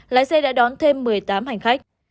lái xe đã đón thêm một mươi tám hành khách